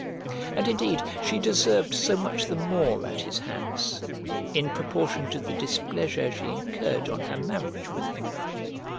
And indeed she deserved so much the more at his hands, in proportion to the displeasure she incurred on her marriage with him.